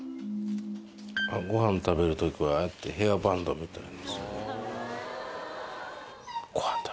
ご飯食べるときはああやってヘアバンドみたいな。